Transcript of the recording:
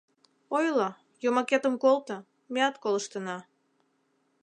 Ойло, йомакетым колто, меат колыштына.